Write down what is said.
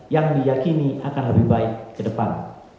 yang diyakini akan lebih baik ke depan